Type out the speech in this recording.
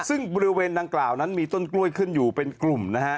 ซึ่งบริเวณดังกล่าวนั้นมีต้นกล้วยขึ้นอยู่เป็นกลุ่มนะฮะ